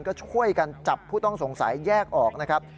ก็ช่วยกันจับผู้ต้องสงสัยแยกออกนะครับ